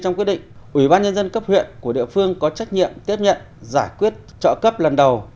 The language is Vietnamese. trong quyết định ủy ban nhân dân cấp huyện của địa phương có trách nhiệm tiếp nhận giải quyết trợ cấp lần đầu